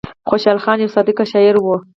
خوشال خان يو صادق شاعر وو ـ